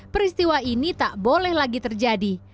peristiwa ini tak boleh lagi terjadi